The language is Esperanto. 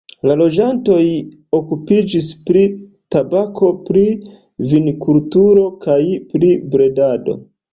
La loĝantoj okupiĝis pri tabako, pri vinkulturo kaj pri bredado.